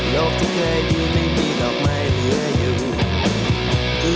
โลกที่เคยอยู่ไม่มีดอกไม้เหลืออยู่